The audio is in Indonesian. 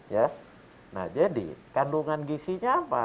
ya nah jadi kandungan gisinya apa